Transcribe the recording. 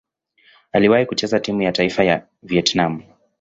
Aliwahi kucheza timu ya taifa ya Vietnam.